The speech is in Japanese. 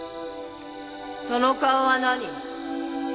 その顔は何？